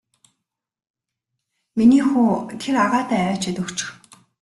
Миний хүү тэр агаадаа аваачаад өгчих.